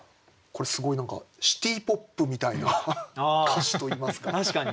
これすごい何かシティ・ポップみたいな歌詞といいますか。